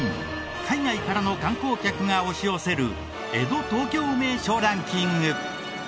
海外からの観光客が押し寄せる江戸・東京名所ランキング。